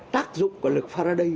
tác dụng của lực pha ra đây